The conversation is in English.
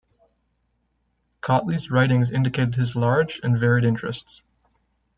Cautley's writings indicated his large and varied interests.